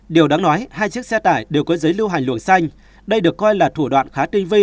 điều đáng nói hai chiếc xe tải đều có giấy lưu hành luồng xanh đây được coi là thủ đoạn khá tinh vi